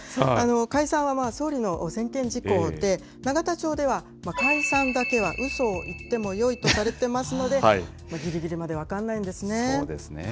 解散は総理の専権事項で、永田町では、解散だけはうそを言ってもよいとされてますので、ぎりぎりまで分そうですね。